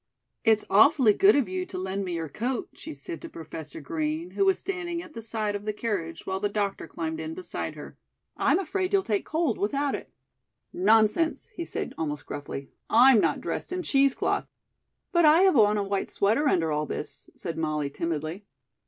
"It's awfully good of you to lend me your coat," she said to Professor Green, who was standing at the side of the carriage while the doctor climbed in beside her. "I'm afraid you'll take cold without it." "Nonsense," he said, almost gruffly, "I'm not dressed in cheesecloth." "But I have on a white sweater under all this," said Molly timidly.